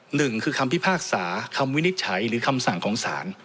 หนึ่งคือคำพิพากษาคำวินิจฉัยหรือคำสั่งของศาล